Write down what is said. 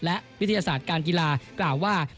และวิทยาศาสตร์การกีฬากล่าวว่า